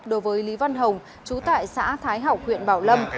đối với lý văn hồng chú tại xã thái hảo huyện bảo lâm